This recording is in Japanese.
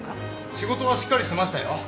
仕事はしっかりしてましたよ。